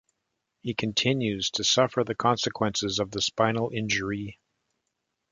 He continues to suffer the consequences of the spinal injury.